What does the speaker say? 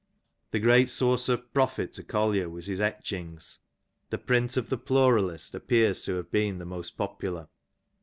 The great source of profit to Oollier was his etchings. The print of "The Pluralist"'' appears to have been the most popular.